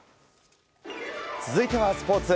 続いてはスポーツ。